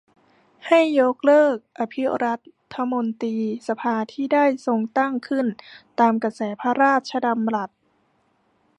ให้ยกเลิกอภิรัฐมนตรีสภาที่ได้ทรงตั้งขึ้นตามกระแสพระราชดำรัส